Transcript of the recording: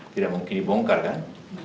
tidak mungkin dibongkar kan